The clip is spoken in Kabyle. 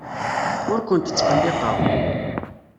Ur kent-ttqelliqeɣ.